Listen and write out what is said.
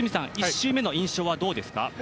１周目の印象はどうですか？